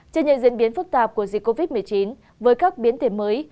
trên những diễn biến phức tạp của dịch covid một mươi chín với các biến thể mới